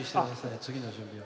次の準備を。